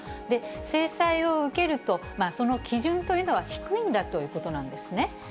で、制裁を受けると、その基準というのは低いんだということなんですね。